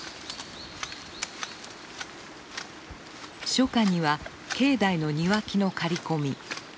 初夏には境内の庭木の刈り込み。